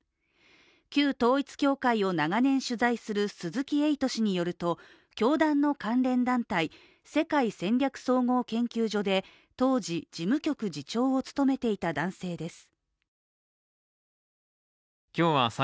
旧統一教会を長年、取材する鈴木エイト氏によると教団の関連団体、世界戦略総合研究所で当時、事務局次長を務めていた男性です。